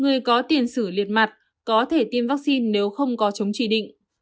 người có tiền sử liệt mặt có thể tiêm vaccine nếu không có chống chỉ định